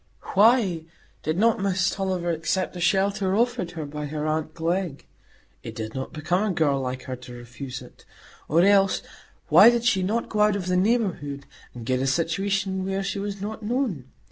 Why did not Miss Tulliver accept the shelter offered her by her aunt Glegg? It did not become a girl like her to refuse it. Or else, why did she not go out of the neighbourhood, and get a situation where she was not known?